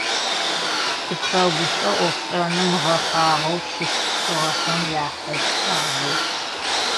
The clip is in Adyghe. Сыпфэгушӏо ӏофшӏэным гъэхъагъэу щыпшӏыгъэхэм яхьылӏагъэу.